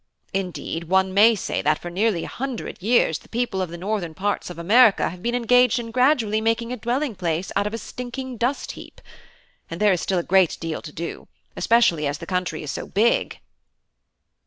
Indeed, one may say that for nearly a hundred years the people of the northern parts of America have been engaged in gradually making a dwelling place out of a stinking dust heap; and there is still a great deal to do, especially as the country is so big."